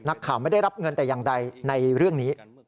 ข่าวไม่ได้รับเงินแต่อย่างใดในเรื่องนี้